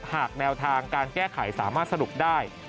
หากแนวทางการแก้ไขสามารถสรุปได้